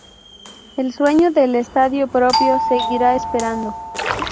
El sueño del estadio propio seguirá esperando.